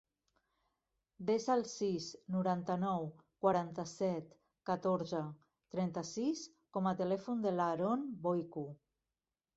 Desa el sis, noranta-nou, quaranta-set, catorze, trenta-sis com a telèfon de l'Aaron Voicu.